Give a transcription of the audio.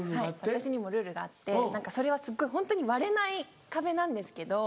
私にもルールがあってそれはすごいホントに割れない壁なんですけど。